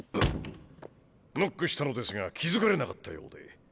・ノックしたのですが気付かれなかったようで。